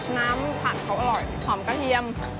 น้ำผักเขาอร่อยหอมกระเทียม